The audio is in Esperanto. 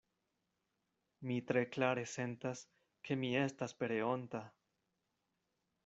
Mi tre klare sentas, ke mi estas pereonta.